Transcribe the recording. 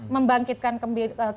membangkitkan kembali kepercayaan publik